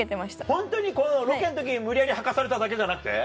ホントにこのロケの時に無理やり履かされただけじゃなくて？